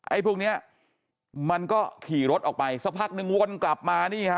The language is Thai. พวกเนี้ยมันก็ขี่รถออกไปสักพักนึงวนกลับมานี่ฮะ